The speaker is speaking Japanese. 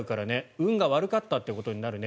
運が悪かったってことになるね。